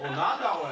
おい！